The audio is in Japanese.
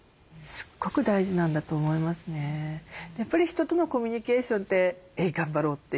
やっぱり人とのコミュニケーションって「エイ頑張ろう」っていうね